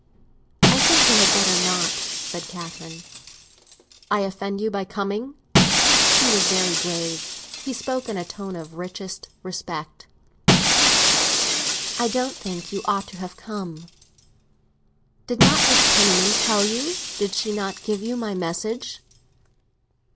"I think we had better not," said Catherine. "I offend you by coming?" He was very grave; he spoke in a tone of the richest respect. "I don't think you ought to have come." "Did not Mrs. Penniman tell you—did she not give you my message?"